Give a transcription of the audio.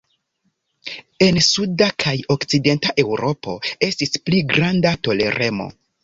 En suda kaj okcidenta Eŭropo estis pli granda toleremo.